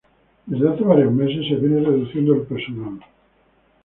Desde hace varios meses se viene reduciendo el personal".